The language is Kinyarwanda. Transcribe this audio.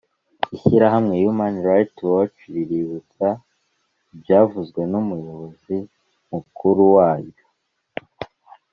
ishyirahamwe human rights watch riributsa ibyavuzwe n'umuyobozi mukuru waryo